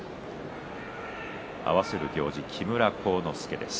合わせる行司、木村晃之助です。